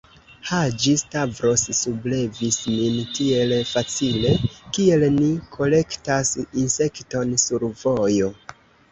Haĝi-Stavros sublevis min tiel facile, kiel ni kolektas insekton sur vojo.